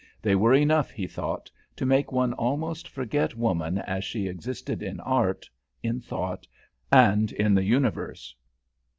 They were enough, he thought, to make one almost forget woman as she existed in art, in thought, and in the universe.